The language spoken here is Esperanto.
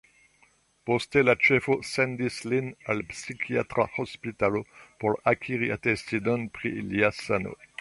Poste la ĉefo sendis lin al psikiatra hospitalo por akiri atestilon pri lia sano.